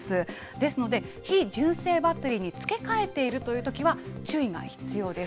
ですので、非純正バッテリーに付け替えているというときは、注意が必要です。